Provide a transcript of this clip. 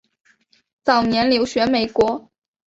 早年留学美国。